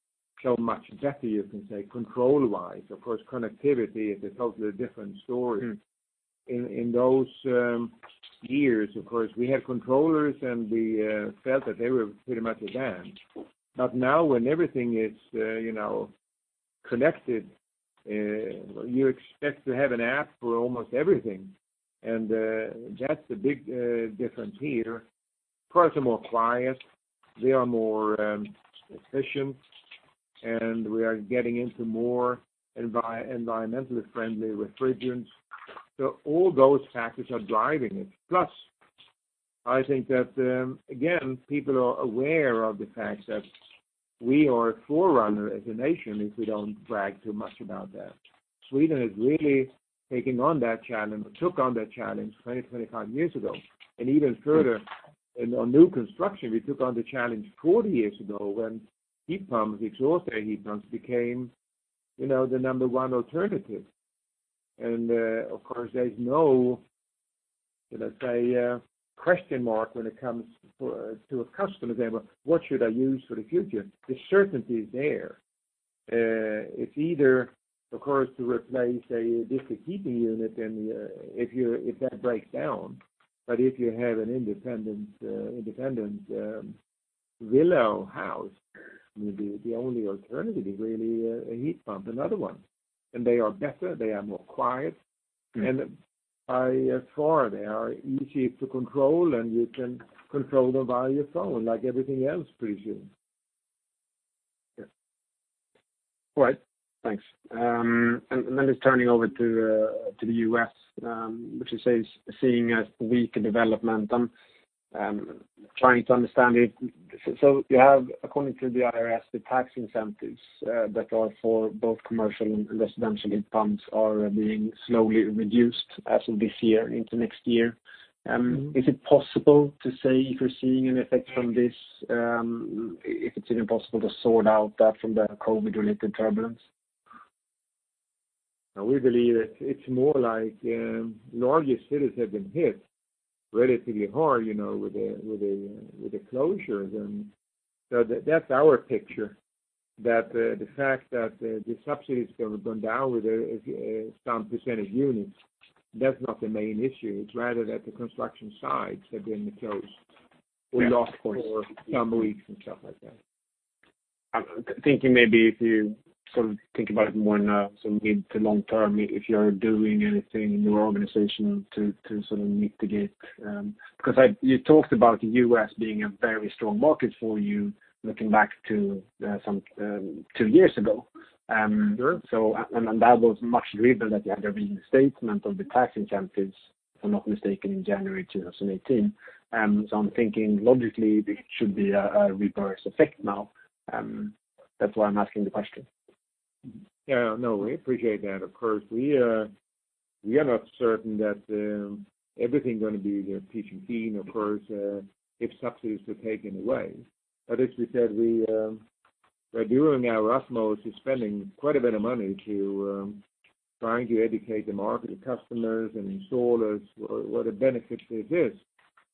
so much better, you can say, control-wise. Of course, connectivity is a totally different story. In those years, of course, we had controllers, and we felt that they were pretty much advanced. Now, when everything is connected, you expect to have an app for almost everything, and that's the big difference here. Of course, they're more quiet, they are more efficient, and we are getting into more environmentally friendly refrigerants. All those factors are driving it. I think that, again, people are aware of the fact that we are a forerunner as a nation if we don't brag too much about that. Sweden is really taking on that challenge, or took on that challenge 20, 25 years ago. Even further, on new construction, we took on the challenge 40 years ago when heat pumps, exhausted heat pumps, became the number one alternative. Of course, there is no, let's say, a question mark when it comes to a customer example, what should I use for the future? The certainty is there. It's either, of course, to replace a district heating unit if that breaks down. If you have an independent villa or house, maybe the only alternative is really a heat pump, another one. They are better, they are more quiet. By far, they are easy to control, and you can control them via your phone, like everything else, pretty soon. Yeah. All right. Thanks. Just turning over to the U.S., which you say is seeing a weaker development. I am trying to understand it. You have, according to the IRS, the tax incentives that are for both commercial and residential heat pumps are being slowly reduced as of this year into next year. Is it possible to say if you're seeing an effect from this, if it's even possible to sort out that from the COVID-related turbulence? We believe that it's more like the largest cities have been hit relatively hard with the closures. That's our picture. That the fact that the subsidy is going to go down with some percentage units, that's not the main issue. It's rather that the construction sites have been closed or lost for some weeks and stuff like that. I'm thinking maybe if you think about it more now, sort of mid to long term, if you're doing anything in your organization to sort of mitigate. You talked about the U.S. being a very strong market for you looking back to two years ago. Sure. That was much driven that you had a reinstatement of the tax incentives, if I'm not mistaken, in January 2018. I'm thinking logically there should be a reverse effect now. That's why I'm asking the question. Yeah, no, we appreciate that. Of course, we are not certain that everything is going to be peachy clean, of course, if subsidies are taken away. As we said, we are doing our utmost is spending quite a bit of money to trying to educate the market, the customers, and installers what the benefit there is.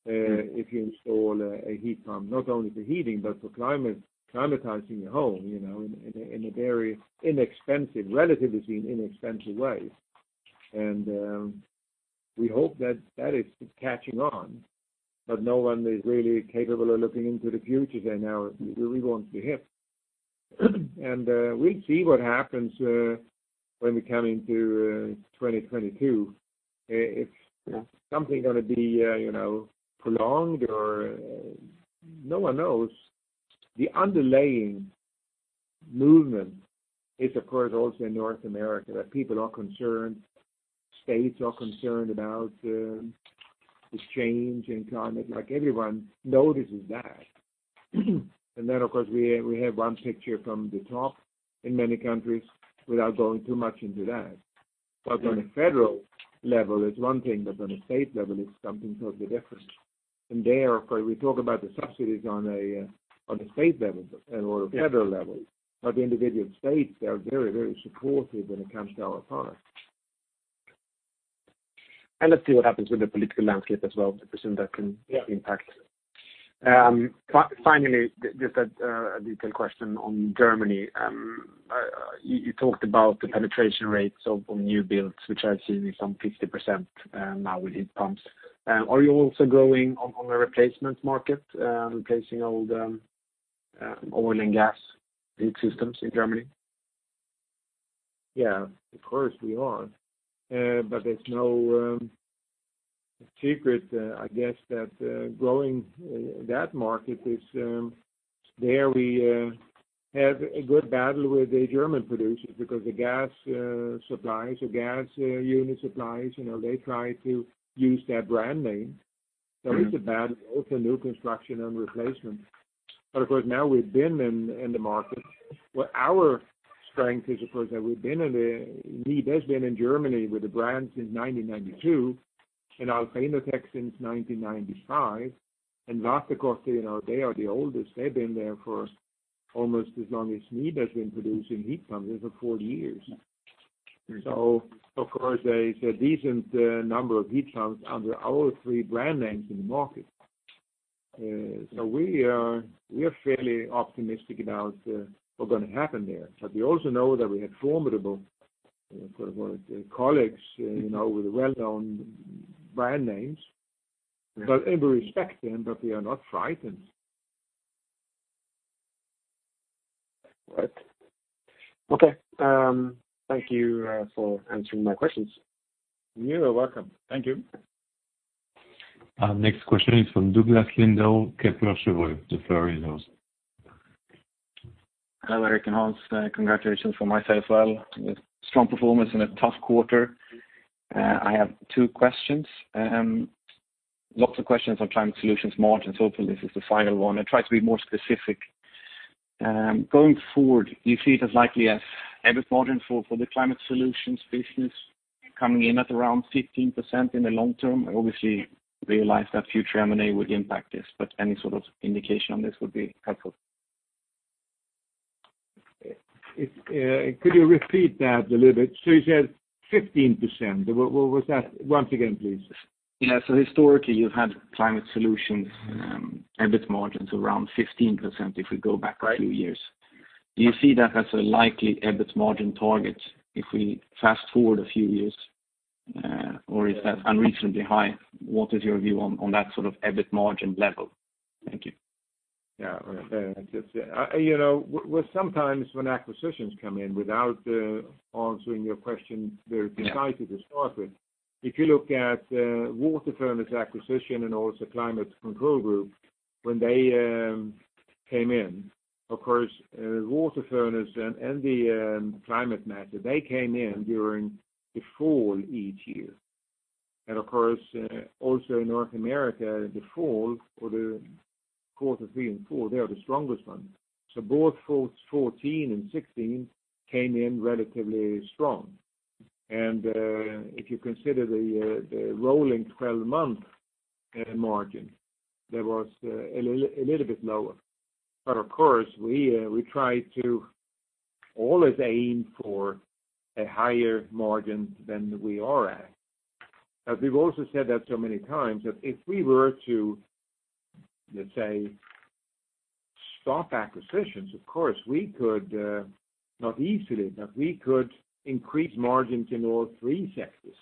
You install a heat pump, not only for heating but for climatizing your home in a very inexpensive, relatively inexpensive way. We hope that is catching on, but no one is really capable of looking into the future there now. We won't be hit. We see what happens when we come into 2022. If something going to be prolonged or, no one knows. The underlying movement is, of course, also in North America, that people are concerned, states are concerned about this change in climate. Like everyone notices that. Then, of course, we have one picture from the top in many countries without going too much into that. On a federal level, it's one thing, but on a state level, it's something totally different. There, of course, we talk about the subsidies on the state level or federal level. The individual states, they are very supportive when it comes to our product. Let's see what happens with the political landscape as well. I presume that can impact. Yeah. Just a detailed question on Germany. You talked about the penetration rates of new builds, which I've seen is some 50% now with heat pumps. Are you also growing on the replacement market, replacing old oil and gas heat systems in Germany? Yeah, of course, we are. It's no secret, I guess, that growing that market, there we have a good battle with the German producers because the gas suppliers or gas unit suppliers, they try to use their brand name. It's a battle, both in new construction and replacement. Of course, now we've been in the market where our strength is, of course, that we've been in the NIBE has been in Germany with the brand since 1992 and alpha innotec since 1995. WATERKOTTE, they are the oldest. They've been there for almost as long as NIBE has been producing heat pumps. They are for 40 years. Yeah. Of course, there is a decent number of heat pumps under our three brand names in the market. We are fairly optimistic about what's going to happen there. We also know that we have formidable, for want of a word, colleagues with well-known brand names. Yeah. We respect them, but we are not frightened. Right. Okay. Thank you for answering my questions. You are welcome. Thank you. Next question is from Douglas Lindahl, Kepler Cheuvreux. The floor is yours. Hello, Gerteric and Hans. Congratulations from my side as well. A strong performance in a tough quarter. I have two questions. Lots of questions on Climate Solutions margins. Hopefully, this is the final one. I try to be more specific. Going forward, do you see it as likely as EBIT margin for the Climate Solutions business coming in at around 15% in the long term? I obviously realize that future M&A would impact this, but any sort of indication on this would be helpful. Could you repeat that a little bit? You said 15%. What was that? Once again, please. Historically, you've had Climate Solutions EBIT margins around 15% if we go back a few years. Right. Do you see that as a likely EBIT margin target if we fast-forward a few years? Is that unreasonably high? What is your view on that sort of EBIT margin level? Thank you. Sometimes when acquisitions come in, without answering your question very precisely to start with, if you look at the WaterFurnace acquisition and also Climate Control Group, when they came in, of course, WaterFurnace and the ClimateMaster, they came in during the fall each year. Of course, also in North America, the fall for the quarter three and four, they are the strongest ones. Both for 2014 and 2016 came in relatively strong. If you consider the rolling 12-month margin, that was a little bit lower. Of course, we try to always aim for a higher margin than we are at. As we've also said that so many times, that if we were to, let's say, stop acquisitions, of course we could, not easily, but we could increase margins in all three sectors.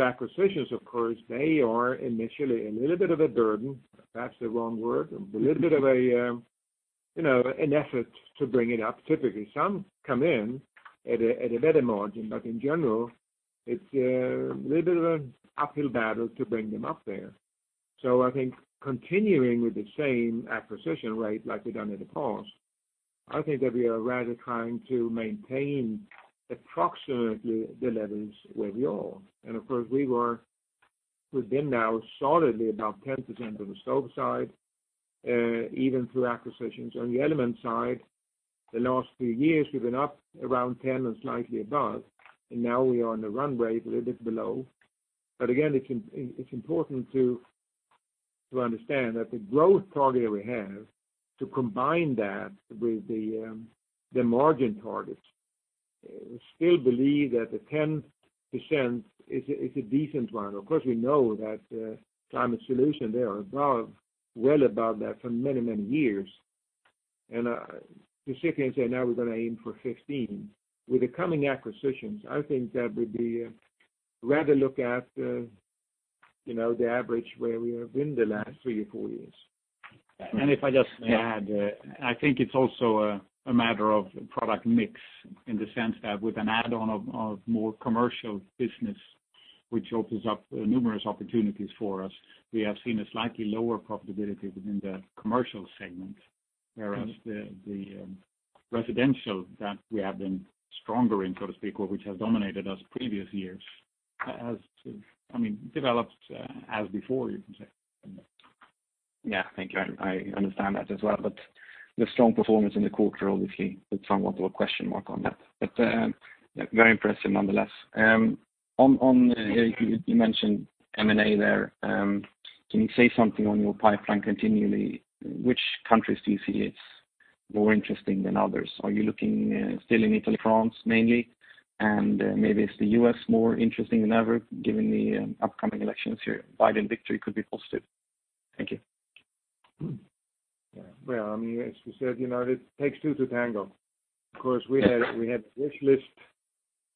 Acquisitions, of course, they are initially a little bit of a burden. Perhaps the wrong word. A little bit of an effort to bring it up. Typically, some come in at a better margin, but in general, it's a little bit of an uphill battle to bring them up there. I think continuing with the same acquisition rate like we've done in the past, I think that we are rather trying to maintain approximately the levels where we are. Of course, we were within now solidly about 10% on the Stove side, even through acquisitions. On the Element side, the last few years, we've been up around 10% and slightly above, and now we are on the run rate a little bit below. Again, it's important to understand that the growth target we have to combine that with the margin targets. We still believe that the 10% is a decent one. Of course, we know that Climate Solution, they are well above that for many years. To sit here and say now we're going to aim for 15. With the coming acquisitions, I think that we'd rather look at the average where we have been the last three or four years. If I just add, I think it's also a matter of product mix in the sense that with an add-on of more commercial business, which opens up numerous opportunities for us. We have seen a slightly lower profitability within the commercial segment, whereas the residential that we have been stronger in, so to speak, or which has dominated us previous years, has developed as before, you can say. Yeah. Thank you. I understand that as well. The strong performance in the quarter obviously puts somewhat of a question mark on that. Very impressive nonetheless. You mentioned M&A there. Can you say something on your pipeline continually? Which countries do you see as more interesting than others? Are you looking still in Italy, France mainly? Maybe is the U.S. more interesting than ever given the upcoming elections here? Biden victory could be positive. Thank you. As we said, it takes two to tango. Of course, we have a wish list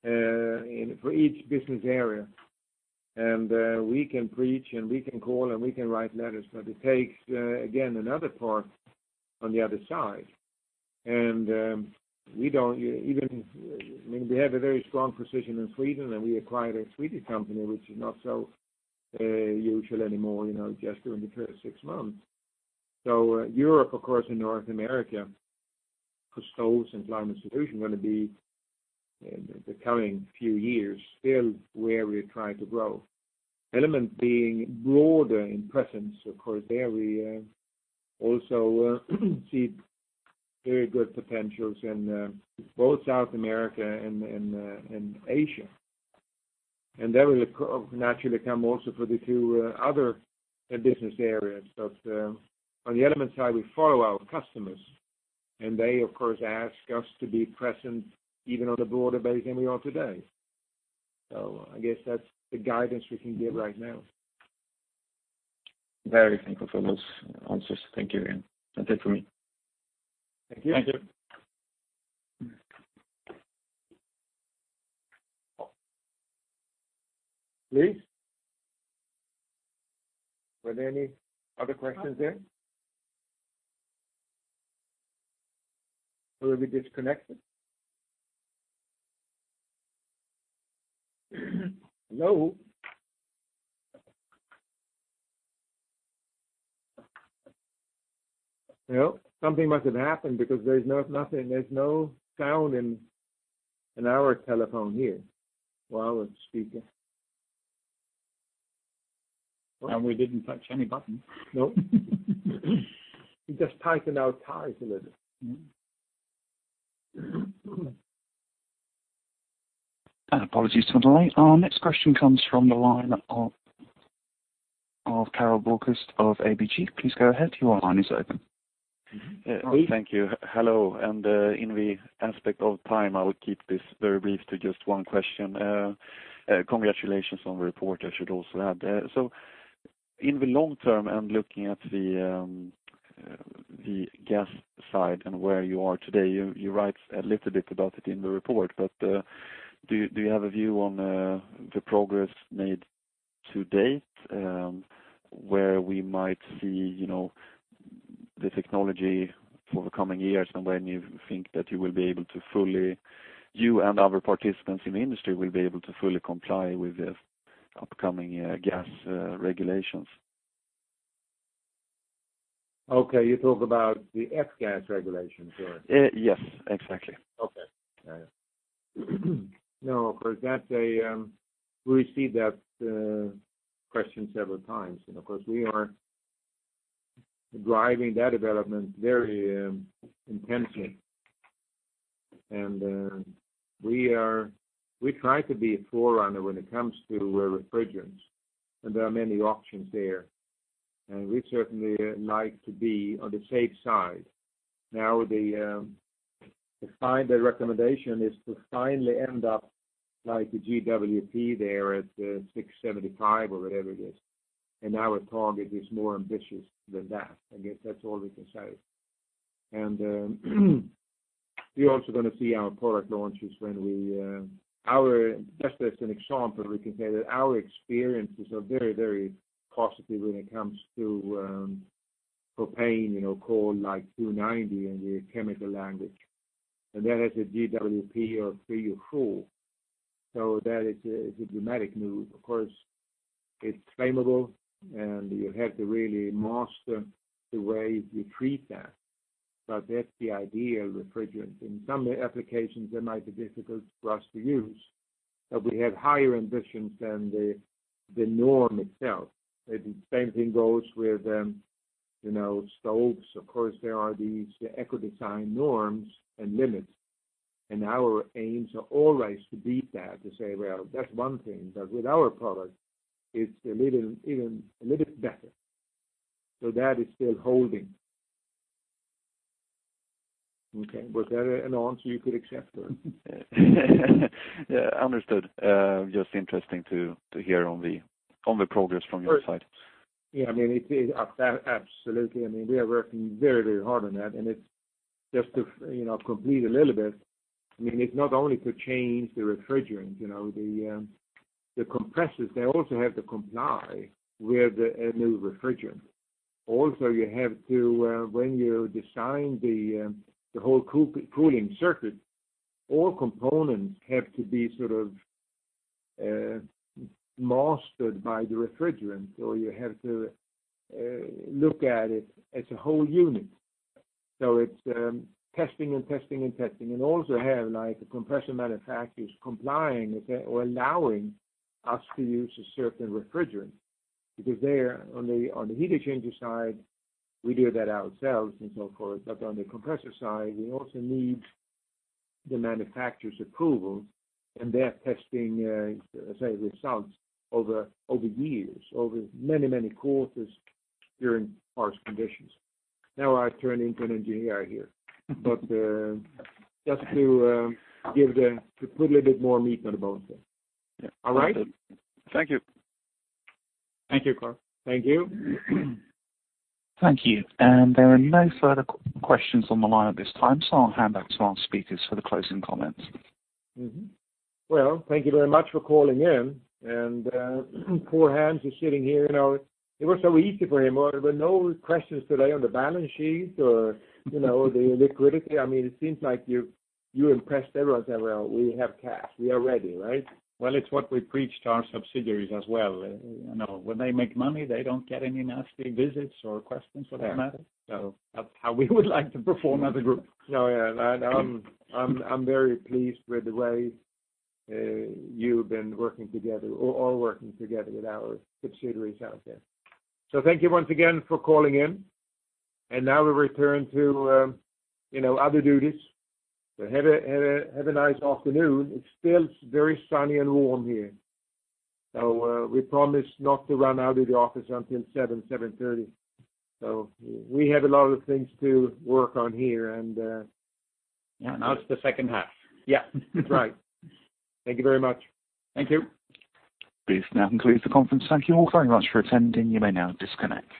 for each business area, and we can preach, and we can call, and we can write letters, but it takes, again, another part on the other side. We have a very strong position in Sweden, and we acquired a Swedish company, which is not so usual anymore, just during the current six months. Europe, of course, and North America for Stoves and Climate Solutions are going to be, in the coming few years, still where we try to grow. Element being broader in presence, of course, there we also see very good potentials in both South America and Asia. That will naturally come also for the two other business areas. On the Element side, we follow our customers, and they, of course, ask us to be present even on a broader base than we are today. I guess that's the guidance we can give right now. Very thankful for those answers. Thank you again. That's it for me. Thank you. Thank you. Please. Were there any other questions there? Were we disconnected? Hello? Well, something must have happened because there's nothing. There's no sound in our telephone here while I was speaking. We didn't touch any button. No. We just tightened our ties a little. Apologies for the delay. Our next question comes from the line of Karl Bokvist of ABG. Please go ahead. Your line is open. Thank you. Hello, and in the aspect of time, I will keep this very brief to just one question. Congratulations on the report, I should also add. In the long term, and looking at the gas side and where you are today, you write a little bit about it in the report, but do you have a view on the progress made to date? Where we might see the technology for the coming years and when you think that you and other participants in the industry will be able to fully comply with the upcoming gas regulations? Okay. You talk about the F-gas Regulations? Yes, exactly. Okay. Got it. Of course, we see that question several times, and of course, we are driving that development very intensely. We try to be a forerunner when it comes to refrigerants, and there are many options there. We'd certainly like to be on the safe side. Now, the recommendation is to finally end up like the GWP there at 675 or whatever it is. Our target is more ambitious than that. I guess that's all we can say. You're also going to see our product launches. Just as an example, we can say that our experiences are very positive when it comes to propane, R290 in the chemical language. That is a GWP of three or four. That is a dramatic move. Of course, it's flammable, and you have to really master the way you treat that. That's the idea of refrigerants. In some applications, they might be difficult for us to use, but we have higher ambitions than the norm itself. The same thing goes with Stoves. Of course, there are these ecodesign norms and limits, and our aims are always to beat that, to say, well, that's one thing, but with our product, it's a little better. That is still holding. Okay. Was that an answer you could accept or? Yeah. Understood. Just interesting to hear on the progress from your side. Yeah, absolutely. We are working very hard on that. Just to complete a little bit, it is not only to change the refrigerant. The compressors, they also have to comply with a new refrigerant. When you design the whole cooling circuit, all components have to be mastered by the refrigerant, or you have to look at it as a whole unit. It is testing, and testing, and testing. Also have compressor manufacturers complying or allowing us to use a certain refrigerant. There, on the heat exchanger side, we do that ourselves and so forth, but on the compressor side, we also need the manufacturer's approval, and they are testing results over years, over many quarters during harsh conditions. Now I have turned into an engineer here. Just to put a little bit more meat on the bones there. All right? Thank you. Thank you, Karl. Thank you. Thank you. There are no further questions on the line at this time. I'll hand back to our speakers for the closing comments. Well, thank you very much for calling in. Poor Hans is sitting here. It was so easy for him. There were no questions today on the balance sheet or the liquidity. It seems like you impressed everyone, saying, well, we have cash. We are ready. Right? Well, it's what we preach to our subsidiaries as well. When they make money, they don't get any nasty visits or questions for that matter. That's how we would like to perform as a group. No, yeah. I'm very pleased with the way you've been working together. We're all working together with our subsidiaries out there. Thank you once again for calling in. Now we return to other duties. Have a nice afternoon. It's still very sunny and warm here. We promise not to run out of the office until 7:00, 7:30. We have a lot of things to work on here. Now it's the second half. Yeah. That's right. Thank you very much. Thank you. This now concludes the conference. Thank you all very much for attending. You may now disconnect.